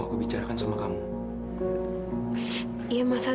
kau kedua esasnya kalian gitu nah